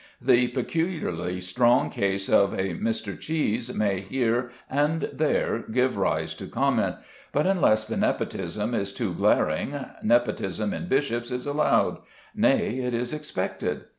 The peculiarly strong case of a Mr. Cheese may, here and there, give rise to comment; but unless the nepotism is too glaring, nepotism in bishops is allowed; nay, it is expected.